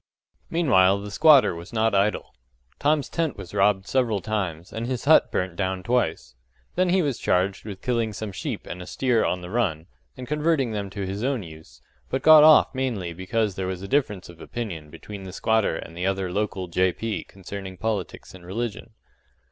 Meanwhile the squatter was not idle. Tom's tent was robbed several times, and his hut burnt down twice. Then he was charged with killing some sheep and a steer on the run, and converting them to his own use, but got off mainly because there was a difference of opinion between the squatter and the other local J.P. concerning politics and religion.